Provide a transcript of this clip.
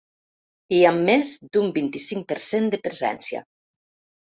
I amb més d’un vint-i-cinc per cent de presència.